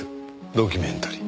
ドキュメンタリー。